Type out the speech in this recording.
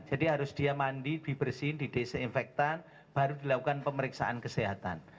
jadi harus dia mandi dibersihin didisiinfektan baru dilakukan pemeriksaan kesehatan